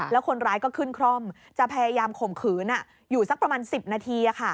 แล้วคนร้ายก็ขึ้นคร่อมจะพยายามข่มขืนอยู่สักประมาณ๑๐นาที